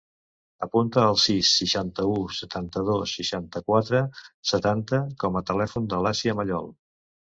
Apunta el sis, seixanta-u, setanta-dos, seixanta-quatre, setanta com a telèfon de l'Asia Mallol.